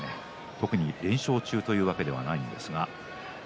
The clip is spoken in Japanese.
特に連勝中というわけではないんですが。